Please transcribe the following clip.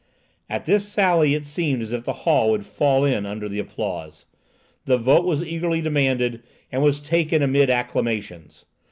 At this sally it seemed as if the hall would fall in under the applause. The vote was eagerly demanded, and was taken amid acclamations.